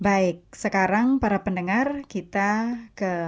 baik sekarang para pendengar kita ke